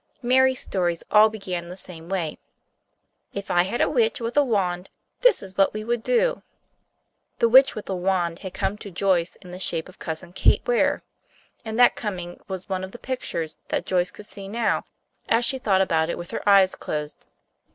Mary's stories all began the same way: "If I had a witch with a wand, this is what we would do." The witch with a wand had come to Joyce in the shape of Cousin Kate Ware, and that coming was one of the pictures that Joyce could see now, as she thought about it with her eyes closed.